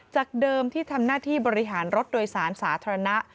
จากเดิมที่ทำหน้าที่บริหารรถโดยสารสาธารณะ